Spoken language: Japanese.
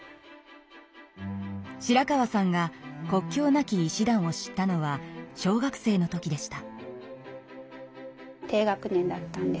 白川さんが国境なき医師団を知ったのは小学生の時でした。